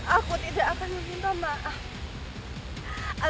aku tidak akan meminta maaf